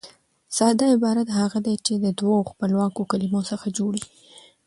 ساده عبارت هغه دئ، چي د دوو خپلواکو کلیمو څخه جوړ يي.